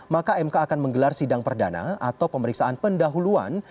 maka mk akan menggelar sidang perdana atau pemeriksaan pendahuluan